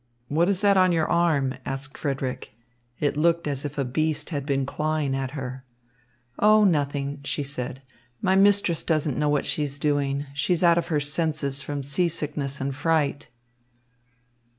"What is that on your arm?" asked Frederick. It looked as if a beast had been clawing at her. "Oh, nothing," she said. "My mistress doesn't know what she is doing. She's out of her senses from seasickness and fright."